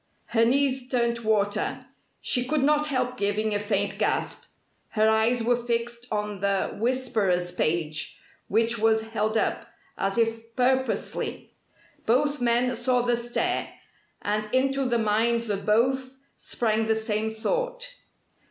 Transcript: Her knees turned to water. She could not help giving a faint gasp. Her eyes were fixed on the "Whisperer's" page, which was held up as if purposely. Both men saw the stare: and into the minds of both sprang the same thought.